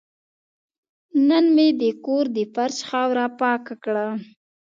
نن مې د کور د فرش خاوره پاکه کړه.